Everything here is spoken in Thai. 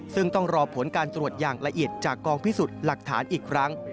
ซึ่งต้องรอผลการตรวจอย่างละเอียดจากกองพิสูจน์หลักฐานอีกครั้ง